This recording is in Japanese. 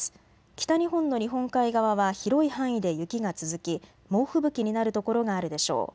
北日本の日本海側は広い範囲で雪が続き猛吹雪になる所があるでしょう。